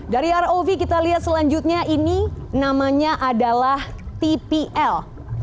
dari rov kita lihat selanjutnya ini namanya adalah tpl